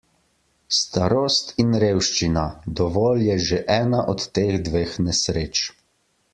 Starost in revščina - dovolj je že ena od teh dveh nesreč.